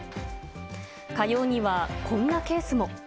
火曜にはこんなケースも。